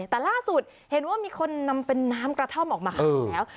แต่ล่าสุดเห็นว่ามีคนนำเป็นน้ำกระท่อมออกมาขายแล้ว